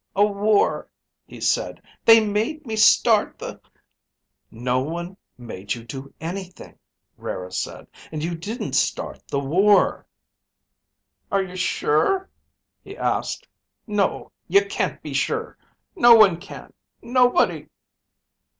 "A war," he said. "They made me start the " "No one made you do anything," Rara said. "And you didn't start the war." "Are you sure?" he asked. "No. You can't be sure. No one can. Nobody...."